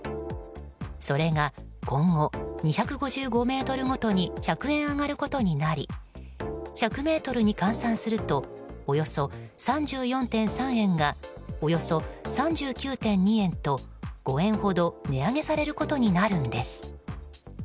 それが今後、２５５ｍごとに１００円上がることになり１００ｍに換算するとおよそ３４．３円がおよそ３９．２円と、５円ほど値上げされることになるんです。